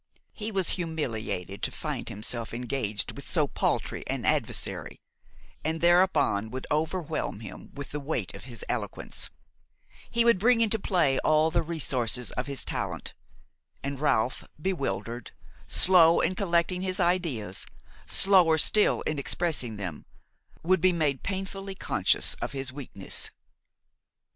He was humiliated to find himself engaged with so paltry an adversary, and thereupon would overwhelm him with the weight of his eloquence; he would bring into play all the resources of his talent, and Ralph, bewildered, slow in collecting his ideas, slower still in expressing them, would be made painfully conscious of his weakness.